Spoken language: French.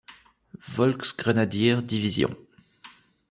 Volksgrenadier Division.